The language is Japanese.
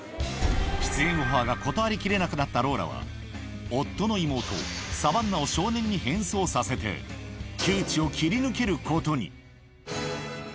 出演オファーが断り切れなくなったローラは、夫の妹、サバンナを少年に変装させて、窮地を切り抜けることに。